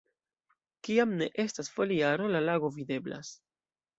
Kiam ne estas foliaro, la lago videblas.